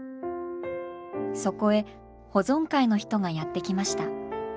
そこへ保存会の人がやって来ました。